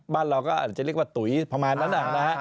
บ้านเราก็อาจจะเรียกว่าตุ๋ยประมาณนั้นนะฮะ